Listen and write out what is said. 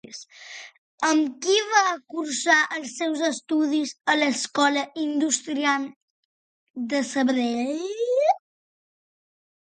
Amb qui va cursar els seus estudis a l'Escola Industrial de Sabadell?